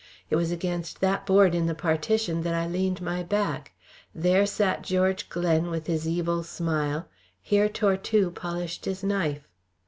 It was against that board in the partition that I leaned my back; there sat George Glen with his evil smile, here Tortue polished his knife.